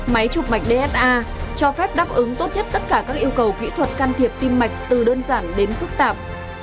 máy chụp mạch dsa cho phép đáp ứng tốt nhất tất cả các yêu cầu kỹ thuật can thiệp tim mạch từ đơn giản đến phức tạp